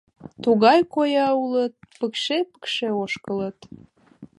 Тугай коя улыт — пыкше-пыкше ошкылыт.